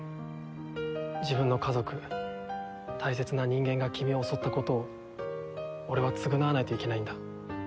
自分の家族大切な人間が君を襲ったことを俺は償わないといけないんだ。